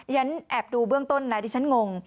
ฉันแอบดูเบื้องต้นนะดิฉันงง